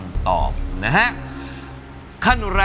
อียมขอบคุณครับ